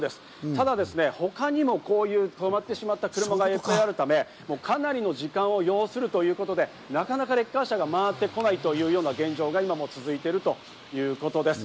ただ他にもこういう止まってしまった車がいっぱいあるため、かなりの時間を要するということでなかなかレッカー車が回ってこないという現状が今も続いているということです。